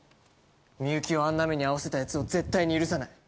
美雪をあんな目にあわせてやつを絶対に許さない。